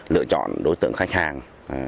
lựa chọn đối tượng khách hàng